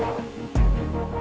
harus hilang heroes ya